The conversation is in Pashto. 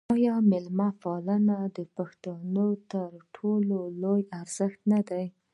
آیا میلمه پالنه د پښتنو تر ټولو لوی ارزښت نه دی؟